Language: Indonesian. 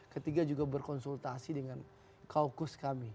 ketiga juga berkonsultasi dengan kaukus kami